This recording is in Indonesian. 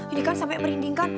ini kan sampe merindingkan